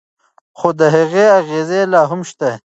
خو د هغې اغیزې لا هم شته.